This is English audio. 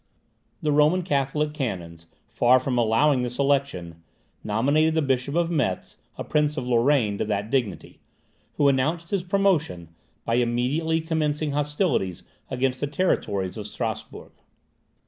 The Roman Catholic canons, far from allowing this election, nominated the Bishop of Metz, a prince of Lorraine, to that dignity, who announced his promotion by immediately commencing hostilities against the territories of Strasburg.